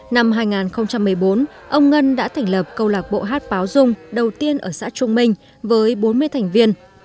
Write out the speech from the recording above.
năm hai nghìn một mươi bốn ông ngân đã thành lập câu lạc bộ hát báo dung đầu tiên ở xã trung minh với bốn mươi thành viên